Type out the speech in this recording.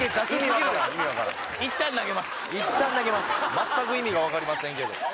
全く意味が分かりませんけど。